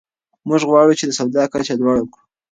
موږ غواړو چې د سواد کچه لوړه کړو.